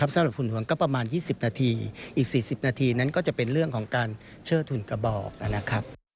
สำหรับหุ่นหวงก็ประมาณ๒๐นาทีอีก๔๐นาทีนั้นก็จะเป็นเรื่องของการเชิดถุนกระบอกนะครับ